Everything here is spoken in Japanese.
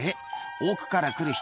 奥から来る人